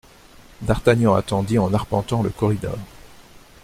D'Artagnan attendit en arpentant le corridor.